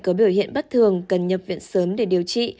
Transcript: có biểu hiện bất thường cần nhập viện sớm để điều trị